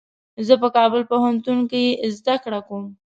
زه په کابل پوهنتون کي زده کړه کوم.